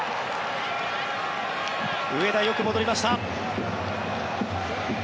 上田、よく戻りました。